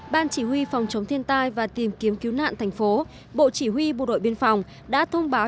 ban chỉ huy phòng chống thiên tai và tìm kiếm cứu nạn thành phố bộ chỉ huy bộ đội biên phòng đã thông báo